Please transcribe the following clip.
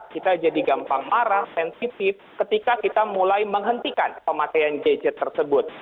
kita jadi gampang marah sensitif ketika kita mulai menghentikan pemakaian gadget tersebut